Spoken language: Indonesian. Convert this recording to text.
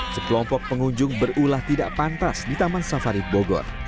sekelompok pengunjung berulah tidak pantas di taman safari bogor